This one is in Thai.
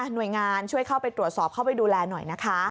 หน่วยงานช่วยเข้าไปตรวจสอบเข้าไปดูแลหน่อยนะคะ